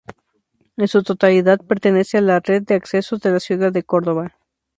En su totalidad, pertenece a la Red de Accesos de la Ciudad de Córdoba.